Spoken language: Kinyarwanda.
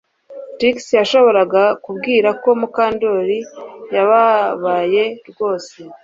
Trix yashoboraga kubwira ko Mukandoli yababaye rwose